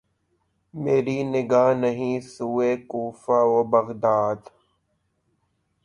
مری نگاہ نہیں سوئے کوفہ و بغداد